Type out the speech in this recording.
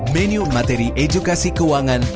menu materi edukasi keuangan